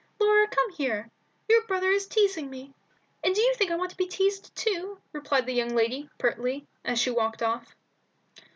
"Laura, come here; your brother is teasing me." "And do you think I want to be teased to?" replied that young lady, pertly, as she walked off.